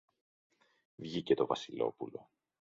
Βγήκε το Βασιλόπουλο.